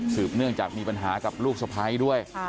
เนื่องจากมีปัญหากับลูกสะพ้ายด้วย